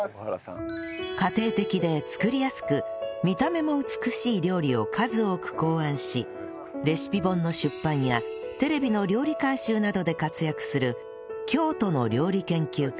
家庭的で作りやすく見た目も美しい料理を数多く考案しレシピ本の出版やテレビの料理監修などで活躍する京都の料理研究家